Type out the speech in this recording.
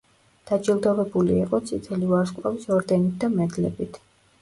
დაჯილდოვებული იყო წითელი ვარსკვლავის ორდენით და მედლებით.